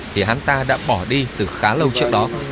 thì hắn ta đã bỏ đi từ khá lâu trước đó